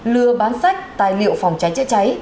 lừa bán sách tài liệu phòng cháy chữa cháy